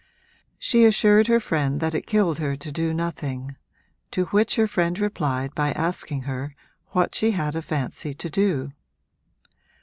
She assured her friend that it killed her to do nothing: to which her friend replied by asking her what she had a fancy to do.